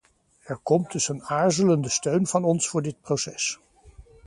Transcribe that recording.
Er komt dus een aarzelende steun van ons voor dit proces.